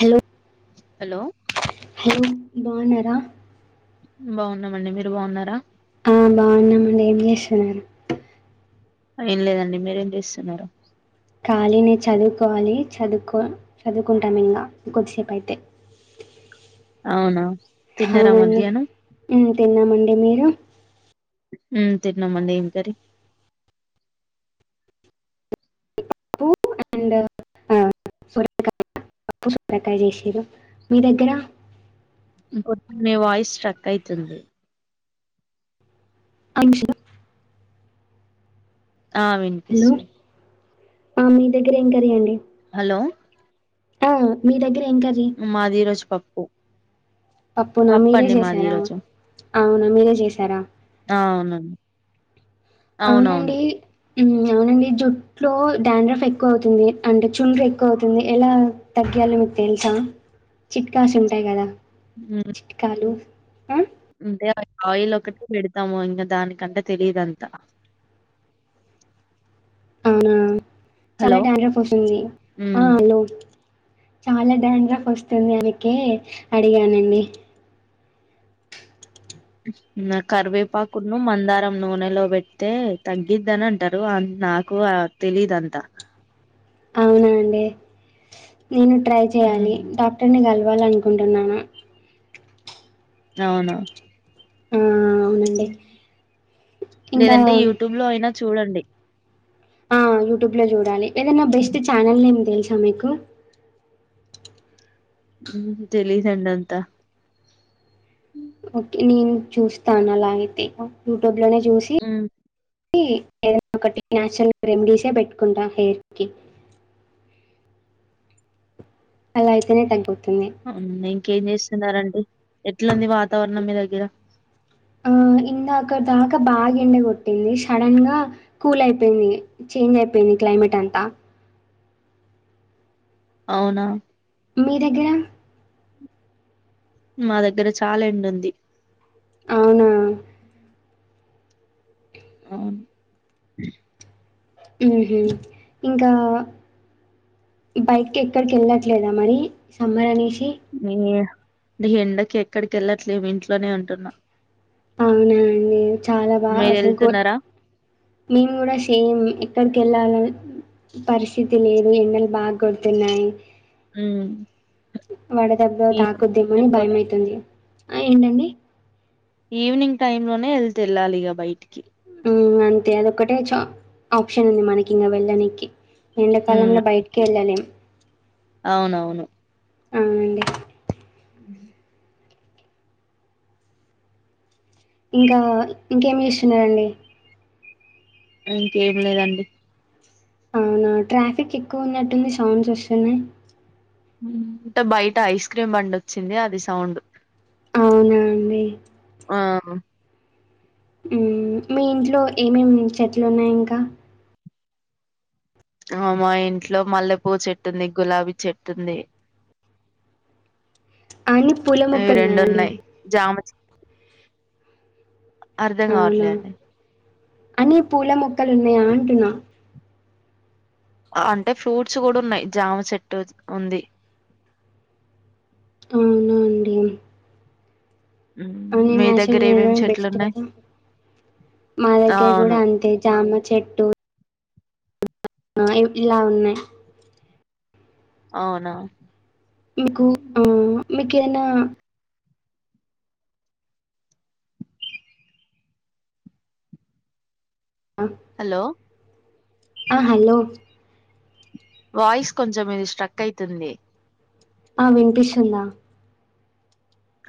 Hello hello hello బాగున్నారా బాగున్నామండి మీరు బాగున్నారా ఆ బాగున్నామండి ఏం చేస్తున్నారు అ ఏం లేదండి మీరేం చేస్తున్నారు ఖాళీనే చదువుకోవాలి చదువుకో చదువుకుంటాము ఇంకా ఇంకొద్దిసేపు అయితే అవునా తిన్నారా అవునండి మధ్యాహ్నం తిన్నామండి మీరు తిన్నాం అండి ఏం కర్రీ సొరకాయ పప్పు సొరకాయ చేసిండ్రు మీ దగ్గర ఇంకొంచం మీ వాయిస్ స్ట్రక్ అయితుంది ఆచ ఆ హలో వినిపిస్తుంది ఆ మీ దగ్గర ఏం కర్రీ అండి హలో ఆ మీ దగ్గరా మాది ఈరోజు పప్పు పప్పు నా మీరే అండి మాది చేశారా ఈరోజు అవునా మీరే చేశారా అ అవునండి అవునండి జొట్లో డాండ్రఫ్ ఎక్కువ అవుతుంది అంటే చుండ్ర ఎక్కువ అవుతుంది ఎలా తగ్గాలో మీకు తేల్సా చిట్కాస్ ఉంటాయి కదా ఉమ్, చిట్కాలు ఆ అంటే ఆయిల్ ఒకటి పెడతాము ఇంకా దానికంటే తెలీదంత అవునా చాలా డాండ్రఫ్ అసుతుంది ఆ ఉమ్ హలో చాలా డాండ్రఫ్ అస్తుతుంది అందుకే అడిగానండి కరివేపాకును మందారం నూనెలో పెడితే తగ్గిద్దని అంటారు అ నాకు తెలిదంతా న అండి నేను ట్రై చెయాలి డాక్టర్ ని కల కలవలనుకుంటున్నాను అవున ఆ అవునండి. ఇంకా లేదంటే యూట్యూబ్ లో అయినా చూడండి ఆ యూట్యూబ్ లో చూడాలి ఏదైనా బెస్ట్ ఛానల్ ఏ సా మీకు ఉ తెలిదండి అంతా ఓకే నేను చూస్తాను అలా అయితే యూట్యూబ్ లోనే ఉమ్ ఏదైనా ఒకటి నాచురల్ రెమెడీసే పెట్టుకుంటా హెయిర్ కి అలా అయితేనే తగ్గ ఇంకేం చేస్తున్నారంటడి ఎట్లాంది వాతావరణం మీ ద గ్గ రా ఆ ఇందకట దాకా బాగా ఎండ కొట్టింది సడన్ గా కూల్ అయిపోయింది చేంజ్ అయిపోయింది క్లైమేట్ అంతా అవునా మీ దగ్గర మా దగ్గర చాలా ఎండ ఉంది అవునా అవును ఉహు ఇంకా బయటికి ఎక్కడికి వెళ్ళట్లేదా మరి సమ్మర్ అనేసి [unintelligible] డీ ఎండకి ఎక్కడికి వెళ్ళట్లేము ఇంట్లోనే ఉంటున్నా అవునా అండి చాలా బాగా మీరు అసలు కు వెళ్తున్నారా మేము కూడా సేమ్ ఎక్కడికి వెళ్ళాలి పరిస్థితి లేదు ఎండలు బాగా కొడుతున్నాయి ఉమ్ వడదెబ్బ తాకుద్దేమో అని భయమైతుంది ఆ ఏంటండి ఈవినింగ్ టైమ్ లోనే వెళ్తే వెళ్ళాలిగా బయటికి హు అంతే అదొకటే చ ఆప్షన్ ఉంది మనకి ఇంకా వెళ్ళనికి మ్మ్ ఎండాకాలంలో బయటికి వెళ్ళలేం అవునవును అవునండి ఇంకా ఇంకేమి చేస్తున్నారంండి ఇంకేం లేదండి అవునా ట్రాఫిక్ ఎక్కువ ఉన్నట్టుంది సౌండ్స్ వస్తున్నాయి ఉమ్ ఉంట్ బయట ఐస్ క్రీమ్ బండి వచ్చింది అది సౌండ్ అవునా అండి? ఆ మీ ఇంట్లో ఏమేమి చెట్లు ఉన్నాయి ఇంకా ఆ మా ఇంట్లో మల్లెపూవ్ చెట్టుంది గులాబీ చెట్టుంది అన్ని పూల మొక్కన్నాయంండి జామ చె అర్ధం కావట్లే అండి అని పూల మొక్కలున్నాయా అంటున్నా అంటే ఫ్రూట్స్ కూడా ఉన్నాయి జామ చెట్టు ఉంది అవున అండి మ్మ్ అవు నేను మీ యాచనల్ దగ్గర ఏమేమి తినడం చెట్లు బెస్ట్ ఉన్నాయి కదా మా ఆ దగ్గర అవును కూడా అంతే జామ చెట్టు ఆ ఇలా ఉన్నాయి అవునా మీకు ఆ మీకు కేనా హలో ఆ, హలో వాయిస్ కొంచెం ఇది స్ట్రక్ అయితుంది ఆ వినిపిస్తుందా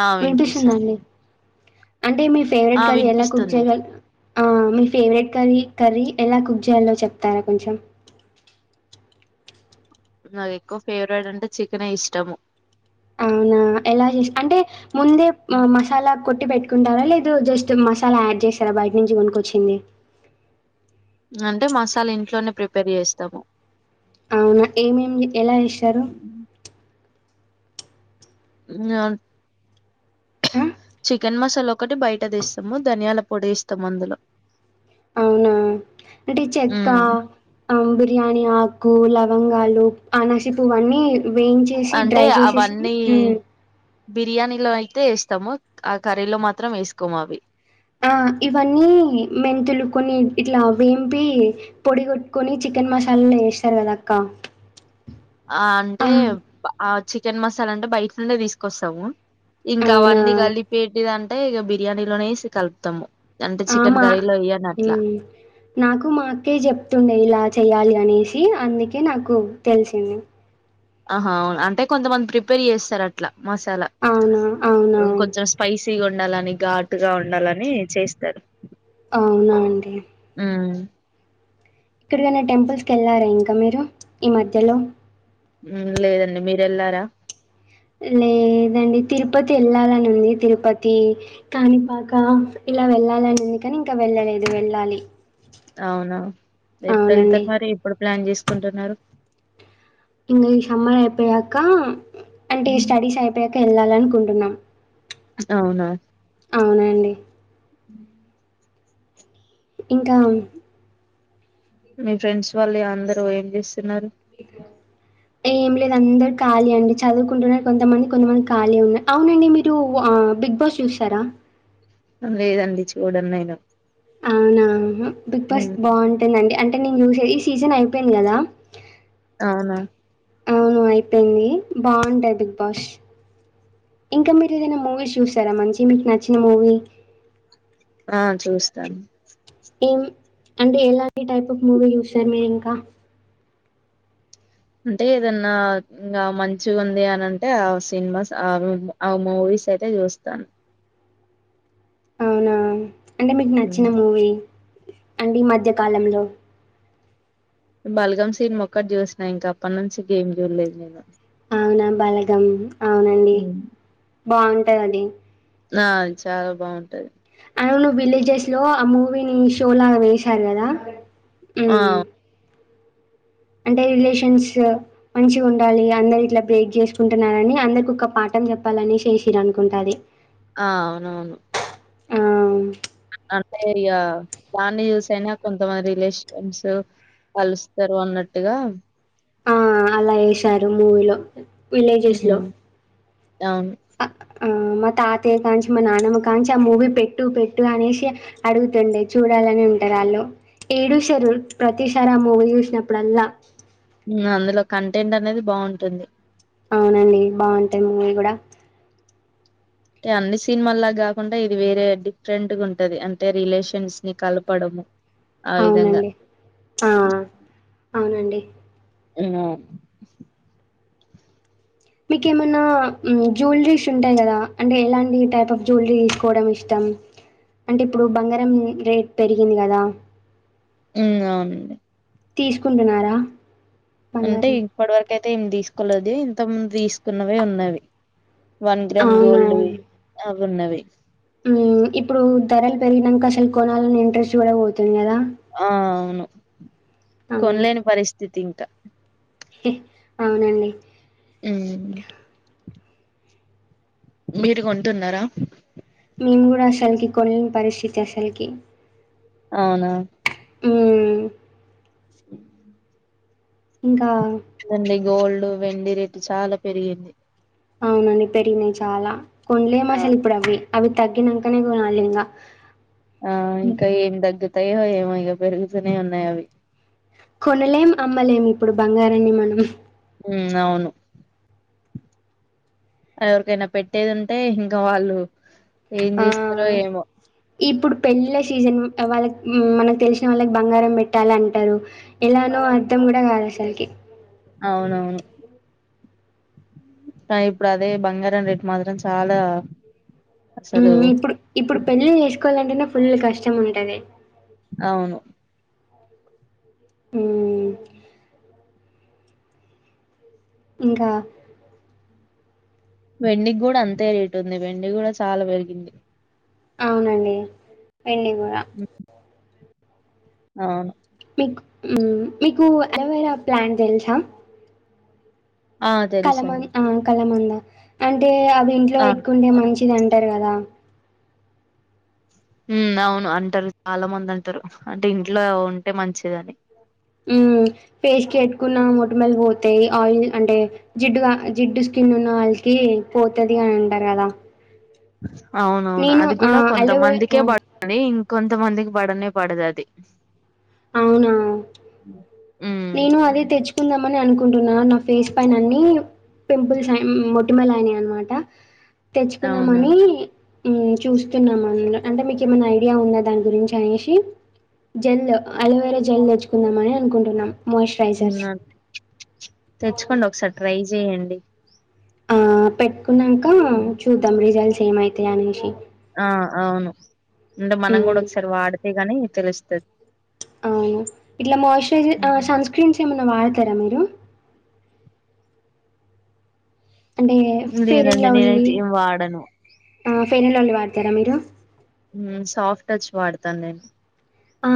ఆ వినిపిస్తుందా వినిపిస్తుంది అండి అంటే మీ ఆ ఫేవరెట్ కర్రీ ఎలా కుక్ వినిపిస్తుంది చేసా ఆ మీ ఫేవరెట్ కర్రీ కర్రీ ఎలా కుక్ చేయాలో చెప్తారా కొంచెం నాకు ఎక్కువ ఫేవరేట్ అంటే చికెన్ ఇష్టము అవునా ఎలా చేసి అంటే ముందే మసాలా కొట్టి పెట్టుకుంటారా లేదు జస్ట్ మసాలా యాడ్ చేసారా బయట నుంచి కొనుకొచ్చింది అంటే మసాలా ఇంట్లోనే ప్రిపేర్ చేస్తాము అవునా ఏమేం ఎలా చేస్తారు అను ఆ! చికెన్ మసాలా ఒకటి బయట తెస్తాము ధనియాల పొడి వెస్తాము అందులో అవునా అంటే చెక్క మ్మ్ బిర్యానీ ఆకు లవం లవంగాలు అనసపువ్వు అన్నీ వేయించ చేసి అంటే డ్రై చేసేసి అవన్నీ ఉం బిర్యానీలో అయితే వేస్తాము ఆ కర్రీలో మాత్రం వేసుకోము అవి ఆ ఇవన్నీ మెంతులు కొన్ని ఇట్లా వేంపి పొడి కొట్టుకొని చికెన్ మసాలాలు వేస్తారు కదా అక్క ఆ అంటే ఆ చికెన్ మసాలా అంటే బయట నుండే తీసుకొస్తాము ఇంకా అవునా? అవన్నీ కలిపేటి దా ఇగా బిర్యానీలోనేేసి కలుపుతాము అంటే ఆ చికెన్ మా కర్రీలో ఎయ్యను ఉం అట్లా నాకు మా అక్కే చెప్తుండే ఇలా చెయ్యాలి అనేసి అందుకే నాకు తెలిసింది ఆహా అవును అంటే కొంతమంది ప్రిపేర్ చేస్తారు అట్లా మసాలా అవునా అవునా తీగ ఉండాలని ఘాటుగా ఉండాలని చేస్తారు అవునా అండి ఉమ్ ఎక్కడికైనా టెంపుల్స్కి వెళ్ళారా ఇంకా మీరు ఈ మధ్యలో లేదండి మీరేళ్లారా లేదండి తిరుపతి వెళ్లాలని ఉంది తిరుపతి కాణిపాక ఇలా వెళ్ళాలని ఉంది కాని ఇంకా వెళ్ళలేదు వెళ్ళాలి అవునా ఎప్పుడు అవునండి. వెళ్తారు మరి ఎప్పుడు ప్లాన్ చేస్త కుంటున్నారు ఇంకా ఈ సమ్మర్ అయిపోయాక అంటే స్టడీస్ అయిపో వెళ్ళాలనుకుంటున్నాం అవునా అవునండి [inaudible] ఇంకా మీ ఫ్రెండ్స్ వాళ్ళు అందరు ఏం చేస్తున్నారు ఏం లేదు అందరు ఖాళీ అండి చదువుకుంటున్నారు కొంతమంది కొంతమంది ఖాళీ ఉన్నారు అవునండి మీరు బిగ్ బాస్ చూస్తారా లేదండి చూడను నేను అవునా బిగ్ బాస్ హ్మ్ బాగుంటుందండి అంటే అంటే నేను చూసేది ఈ సీజన్ అయిపోయింది కదా అవును అవును అయిపోయింది బాగుంటాయి బిగ్ బాస్ ఇంకా మీరు ఏదైనా మూవీ చూసారా మంచి మీకు నచ్చిన మూవీ ఆ చూస్తాను ఏం అంటే ఎలాంటి టైప్ ఆఫ్ మూవీ చూస్తారు మీరు ఇంకా అంటే ఏదన్నా ఇంకా మంచి ఉంది అనింటే ఆ సినిమాస్ ఆ ఆ మూవీస్ అయితే చూస్తాను అవునా అంటే మీకు నచ్చిన హ్మ్ మూవీ అండి ఈ మధ్యకాలంలో బల్గం సీనిమా మొక్కటి చూసిన ఇంక అప్పటి నుంచి ఏం చూడలేదు నేను అవునా బలగం అవునండి హ్మ్ బాగుంటాది అది ఆ చాలా బాగుంటది అవును విలేజెస్ లో ఆ మూవీని షోలాగా వేశారు కదా ఆ హ్మ్ అంటే రిలేషన్స్ మంచిగా ఉండాలి అందరు ఇట్లా బ్రేక్ చేసుకుంటున్నారని అందరికి ఒక పాఠం చెప్పాలని ఏషిర్రు అనుకుంటా అది ఆ అవునవును ఆ అంటే ఇక దాన్ని చూసి అయినా కొంతమంది రిలేషన్స్ కలుస్తారు అన్నట్టుగా లు ఏషారు మూవీలో విలేజెస్లో హ్మ్. అవును ఆ మా తాతయ కాంచి మా నాన్నమ్మ కాంచి ఆ మూవీ పెట్టు పెట్టు అనేసి అడుగుతుండే చూడాలని ఉంటారు వాళ్ళు ఏడుసారు ప్రతిసారి ఆ మూవీ చూసినప్పుడల్లా హు అందులో కంటెంట్ అనేది బాగుంటుంది అవునండి బాగుంటాయి మూవీ కూడా అంటే అన్ని ససినిమాల్ల కాకుండా ఇది వేరే డిఫరెంట్గా ఉంటది అంటే రిలేషన్స్ ని కలపడము ఆ విధంగా అవునండి ఆ అవునండి అ మీకేమన్నా జ్యువలరీస్ ఉంటాయి. కదా అంటే ఎలాంటి టైప్ ఆఫ్ జ్యువెలరీ తీసుకోవడం ఇష్టం, అంటే ఇప్పుడు బంగారం రేట్ పెరిగింది కదా. ఉ అవునండి తీసుకుంటున్నారా అంటే బంగారం? ఇప్పటి వరకు అయితే ఏమి తీసుకోలేదు అదే ఇంతకు ముందు తీసుకున్నవే ఉన్నవి వన్ గ్రామ్ గోల్డ్ వి అవ ఉన్నవి ఉ ఇప్పుడు ధరలు పెరిగినంక అస్సలు కోణాలనే ఇంట్రెస్ట్ కూడా పోతుంది కదా ఆ అవును అవును. కొనలేని పరిస్ స్థితి ఇంకా అవునండి ఉ మీరు కొంటున్నారా మేము కూడా అష్షలికి కొనలేని పరిస్థితి అష్షలికి అవునా ఉమ్ ఇంకా దండి గోల్డ్ వెండి రెట్ చాలా పెరిగింది అవునండి పెరిగినాయ్ చాలా కొండ్లేము అసలు అవును ఇప్పుడు అవి అవి తగ్గినాకనే గుణాలింగా ఆ ఇంకాయ ఎంద దగ్గి యో ఏమో ఇక పెరుగుతూనే ఉన్నాయి అవి కొనలేం అమ్మలేం ఇప్పుడు బంగారాన్ని మనం ఉమ్ అవును ఎవరికైనా పెట్టేదింటే ఇంకా వాళ్ళు ఏం ఆ చేస్తారో ఏమో ఇప్పుడు పెళ్ళళ సీజన్ వాళ్ళకి మనకు తెలిసిన వాళ్ళకి బంగారం పెట్టాల అంటారు ఎలానో అర్థం కూడా కాదు అసలకి అవునవును టై అదే ఇప్పుడు అదే బంగారం రేట్ మాత్రం చాలా అసలు ఊమ్ ఇప్పుడు ఇప్పుడు పెళ్ళీలు చేసుకొళ్లంటేనే ఫుల్ కష్టం ఉంటది. అవును. ఉమ్ ఇంకా? వెండికి గుడా అంతే రేటుంది వెండి గుడ చాల పెరిగింది. అవునండి. వెండి గుడా ఆ ఊమ్ మీకూ అలోవెరా ప్లాంట్ తెలుసా ఆ కలమన్ తెలుసండి ఆ కలమంద. అంటే అ ఇంట్లో ఆ ఎట్టుకుంటే మంచి ఇది అంటరు గదా ఊఁ అవును అంటరు చాలా మంది అంటరు అంటే ఇంట్లో ఉంటే మంచిదని ఉమ్ ఫేస్ కెట్టుకున్నా మొటిముల పోతయి ఆయిల్ అంటే జిడ్డుగా జిడ్డు స్కిన్ ఉన్న వాళ్ళకీ పోతది అని అంటరు గదా [unintelligible] అవునవును నేను అది ఆ! కుడా అలోవె కొంతమందికే ఆ! పడుతదీ కొంతమందికి బడనే పడదు అది. అవునా! ఉ. నేను అదే తెచ్చుకుందామని అనుకుంటున్నా నా ఫేస్ పైన అన్నీ పింపుల్స్ అం మొటిమలు అయినాయన్న మాట. అవునా తెచ్చుకున్నామనీ ఉమ్ చూస్తున్నాం అందులో అంటే మీకు ఏమైన్న ఐడియా ఉందా దాని గురించి అనేసి జెల్ అలోవేర జెల్ తెచ్చుకుందామని అనుకుంటున్నాం. మాయిశ్చరైజర్స్. తెచ్చుకోండి ఒకసారి ట్రై చేయండి. ఆ పెట్ కున్నంకా చూద్దాం రిజల్ట్స్. ఏమైతే అనేసి ఆ, అవును. మనం గుడ హ్మ్. ఒకసారి వాడి ఇగనీ తెలుస్తది. అవును. ఇట్ల మాయిశ్చరైజర్ ఆ సన్ స్క్రీన్స్ ఏమైన్న వాడ్ ర మీరు అంటే, ఫెయిర్ అండ్ లేదండి లవ్లీ? నేనైతే ఏం వాడను ఆ ఫెయిర్ అండ్ లవ్లీ వాడతర మీరు? ఊఁ, సాఫ్ట్ టచ్ వాడతాను నేను. ఆ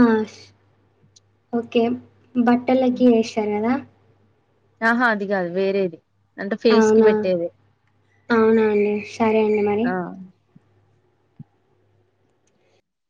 ఒకే. బట్టలకి వేసారు కదా ఆహా అది కా అదు వేరేది అంటే ఫేస్ కి అవునా పెట్టేది అవునా అండి సరే అండి మరి ఆ